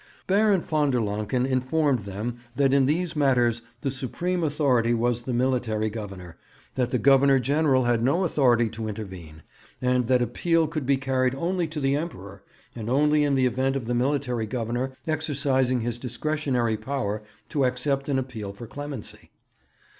Baron von der Lancken informed them that in these matters the supreme authority was the Military Governor; that the Governor General had no authority to intervene; and that appeal could be carried only to the Emperor, and only in the event of the Military Governor exercising his discretionary power to accept an appeal for clemency.